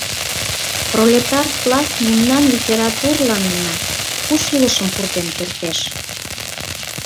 Пролетар класс мемнан литературланна у шӱлышым пуртен кертеш.